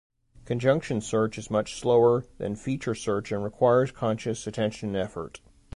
Conjunction search is much slower than feature search and requires conscious attention and effort.